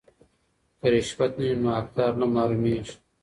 که رشوت نه وي نو حقدار نه محرومیږي.